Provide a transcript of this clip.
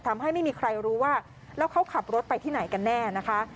ทำให้ไม่มีใครรู้ว่าแล้วเขาขับรถไปที่ไหนกันแน่นะคะ